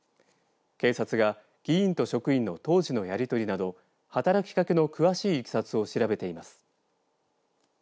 警察が議員と職員の当時のやり取りなど働きかけの詳しいいきさつを調べています。